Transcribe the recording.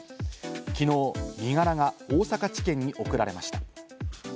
きのう身柄が大阪地検に送られました。